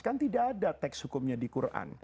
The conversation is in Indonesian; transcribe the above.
kan tidak ada teks hukumnya di quran